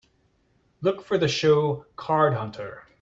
Look for the show Card Hunter